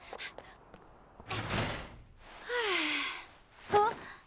はああっ！